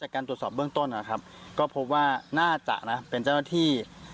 การตรวจสอบเบื้องต้นนะครับก็พบว่าน่าจะนะเป็นเจ้าหน้าที่